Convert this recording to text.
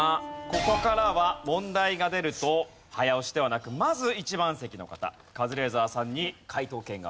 ここからは問題が出ると早押しではなくまず１番席の方カズレーザーさんに解答権があります。